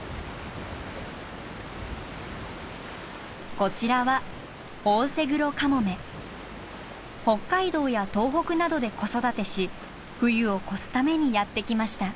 こちらは北海道や東北などで子育てし冬を越すためにやって来ました。